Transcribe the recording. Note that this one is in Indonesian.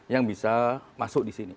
yang bisa masuk disini